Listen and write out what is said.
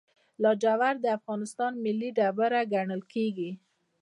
لاجورد د افغانستان ملي ډبره ګڼل کیږي.